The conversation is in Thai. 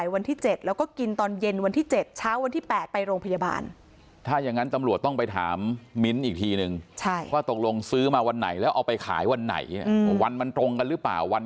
วันมันตรงกันหรือเปล่า